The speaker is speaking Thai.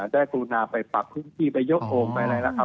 ได้กุณาไปปรับพื้นที่ไปยกโอมอะไรแหละครับ